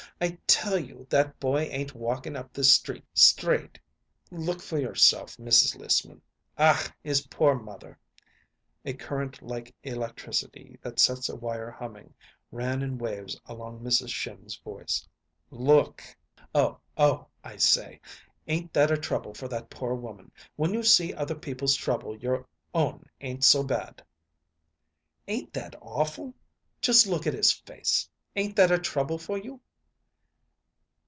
I tell you that boy ain't walking up this street straight. Look for yourself, Mrs. Lissman. Ach, his poor mother!" A current like electricity that sets a wire humming ran in waves along Mrs. Schimm's voice. "Look!" "Oh oh! I say, ain't that a trouble for that poor woman? When you see other people's trouble your own ain't so bad." "Ain't that awful? Just look at his face! Ain't that a trouble for you?"